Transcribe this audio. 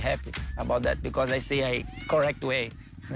แฮปปี้ทุกคนสนุกไหม